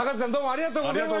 ありがとうございます。